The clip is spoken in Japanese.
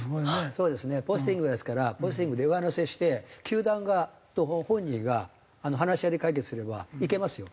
そうですねポスティングですからポスティングで上乗せして球団と本人が話し合いで解決すればいけますよ